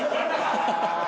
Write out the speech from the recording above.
ハハハハ！